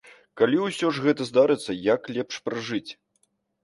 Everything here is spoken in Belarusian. Калі ўсё ж гэта здарыцца, як лепш пражыць?